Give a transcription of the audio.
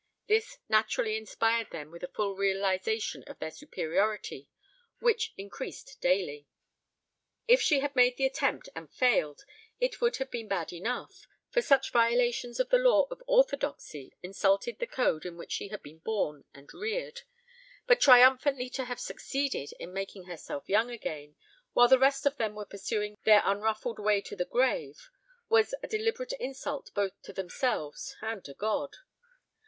This naturally inspired them with a full realization of their superiority, which increased daily. If she had made the attempt and failed it would have been bad enough, for such violations of the law of orthodoxy insulted the code in which she had been born and reared: but triumphantly to have succeeded in making herself young again while the rest of them were pursuing their unruffled way to the grave was a deliberate insult both to themselves and to God.